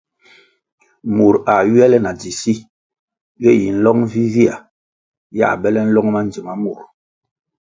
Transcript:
Mur a ywia le na dzi si, ye yi nlong vivihya yā bele nlong ma ndzima mur.